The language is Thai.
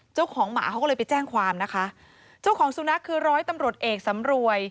เจ้าของหมาเขาก็เลยไปแจ้งความนะคะเจ้าของสุนัขคือร้อยตำรวจเอกสำรวย